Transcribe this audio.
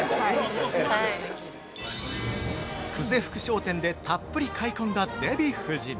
◆久世福商店でたっぷり買い込んだデヴィ夫人。